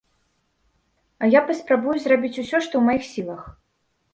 А я паспрабую зрабіць усё, што ў маіх сілах!